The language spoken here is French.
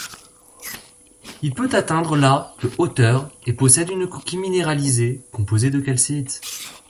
Il peut atteindre la de hauteur et possède une coquille minéralisée composée de calcite.